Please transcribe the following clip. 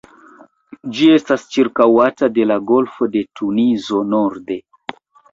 Ĝi estas ĉirkaŭata de la Golfo de Tunizo norde.